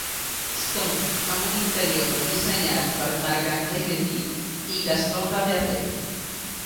Stone, amb un interior dissenyat per Marc-Henri Levy i Gaston Laverdet.